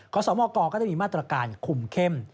ขอสมกก็ได้มีมาตรการคุมเข้ม